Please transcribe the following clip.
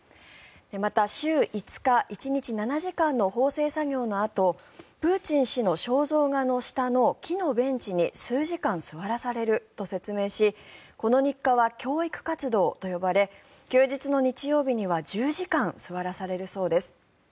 また、週５日、１日７時間の縫製作業のあとプーチン氏の肖像画の下の木のベンチに数時間座らされると説明しこの日課は教育活動と呼ばれ休日の日曜日には１０時間座らされるそうです。